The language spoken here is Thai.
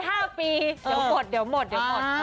ห้าปีเดี๋ยวหมดเดี๋ยวหมดเดี๋ยวหมด